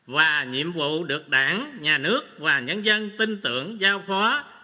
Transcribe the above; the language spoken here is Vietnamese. và nhiệm vụ được đảng nhà nước và nhân dân tin tưởng giao phó